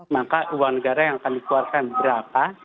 maka uang negara yang akan dikeluarkan berapa